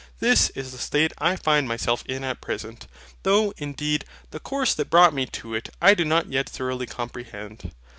This is the state I find myself in at present; though, indeed, the course that brought me to it I do not yet thoroughly comprehend.